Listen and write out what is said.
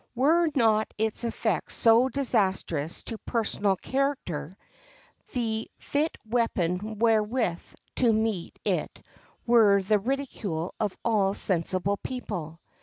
Were not its effects so disastrous to personal character, the fit weapon wherewith to meet it were the ridicule of all sensible people.